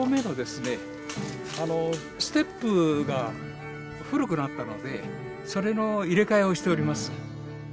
あのステップが古くなったのでそれの入れ替えをしております。